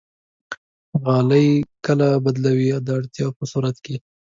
غالۍ کله بدلوئ؟ د اړتیا په صورت کې